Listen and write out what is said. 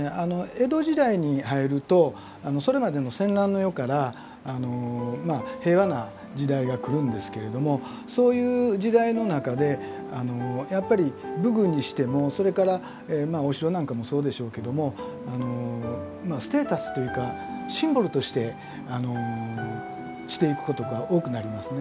江戸時代に入るとそれまでの戦乱の世から平和な時代が来るんですけれどもそういう時代の中でやっぱり武具にしてもそれからお城なんかもそうでしょうけどもまあステータスというかシンボルとしてしていくことが多くなりますね。